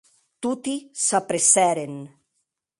Toti s’apressèren.